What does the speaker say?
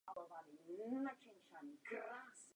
Sekretářem redakce byl Václav Procházka.